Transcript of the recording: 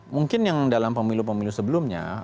mungkin yang dalam pemilu pemilu sebelumnya